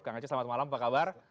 kang aceh selamat malam apa kabar